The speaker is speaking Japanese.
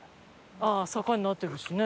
ああ坂になってるしね。